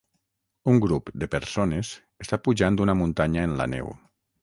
Un grup de persones està pujant una muntanya en la neu.